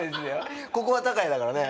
ここはタカヤだからね。